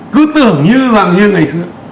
cứ tưởng như rằng như ngày xưa